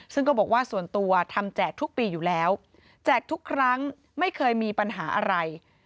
ซึ่งก็บอกว่าส่วนตัวทำแจกทุกปีอยู่แล้วแจกทุกครั้งไม่เคยมีปัญหาอะไร